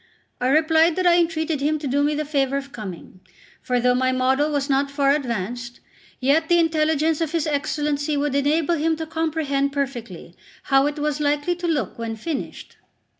I replied that I entreated him to do me the favour of coming; for though my model was not far advanced, yet the intelligence of his Excellency would enable him to comprehend perfectly how it was likely to look when finished.